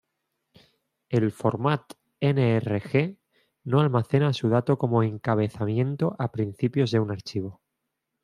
El format nrg no almacena su dato como encabezamiento a principios de un archivo.